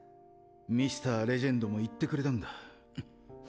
Ｍｒ．レジェンドも言ってくれたんだ。っ！